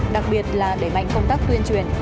đặc biệt là đẩy mạnh công tác tuyên truyền